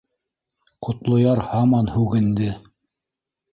— Ҡотлояр һаман һүгенде.